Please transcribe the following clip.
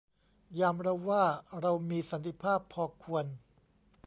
ยามเราว่า เรามีสันติภาพพอควร